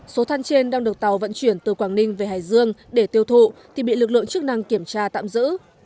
số than trên đang được tàu vận chuyển từ quảng ninh về hải dương để tiêu thụ thì bị lực lượng chức năng kiểm tra tạm giữ